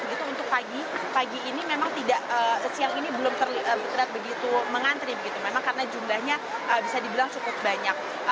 begitu untuk pagi pagi ini memang tidak siang ini belum terlihat begitu mengantri begitu memang karena jumlahnya bisa dibilang cukup banyak